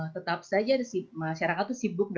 tetap saja masyarakat sibuk